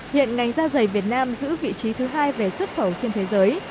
hiện ngành da dày việt nam giữ vị trí thứ hai về xuất khẩu trên thế giới